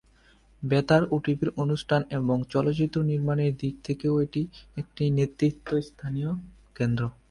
বেতার ও টিভির অনুষ্ঠান এবং চলচ্চিত্র নির্মাণের দিক থেকেও এটি একটি নেতৃস্থানীয় কেন্দ্র।